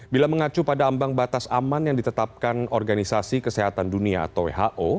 bila mengacu pada ambang batas aman yang ditetapkan organisasi kesehatan dunia atau who